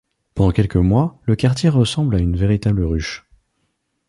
Pendant quelques mois, le quartier ressemble à une véritable ruche.